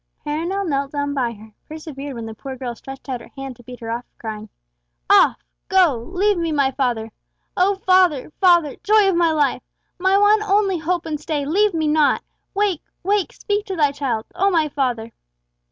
Perronel knelt down by her, persevered when the poor girl stretched out her hand to beat her off, crying, "Off! go! Leave me my father! O father, father, joy of my life! my one only hope and stay, leave me not! Wake! wake, speak to thy child, O my father!"